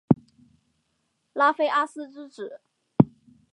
拉菲阿斯之子。